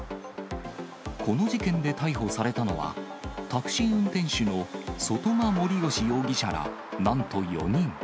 この事件で逮捕されたのは、タクシー運転手の外間盛吉容疑者ら、なんと４人。